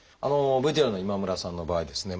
ＶＴＲの今村さんの場合ですね